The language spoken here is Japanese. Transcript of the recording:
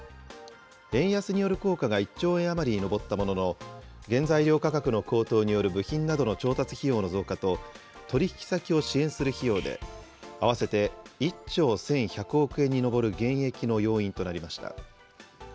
円安による効果が１兆円余りに上ったものの、原材料価格の高騰による部品などの調達費用の増加と、取り引き先を支援する費用で、合わせて１兆１１００億円に上る減益の要因となりました。